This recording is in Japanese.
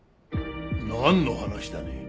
なんの話だね？